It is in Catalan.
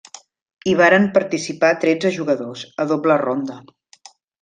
Hi varen participar tretze jugadors, a doble ronda.